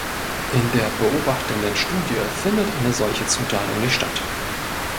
In der beobachtenden Studie findet eine solche Zuteilung nicht statt.